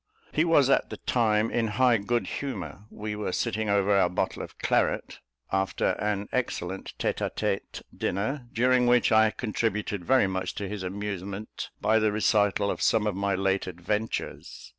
He was at the time in high good humour; we were sitting over our bottle of claret, after an excellent tête à tête dinner, during which I contributed very much to his amusement by the recital of some of my late adventures.